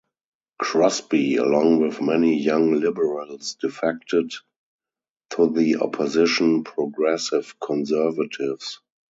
Crosbie along with many young Liberals defected to the opposition Progressive Conservatives.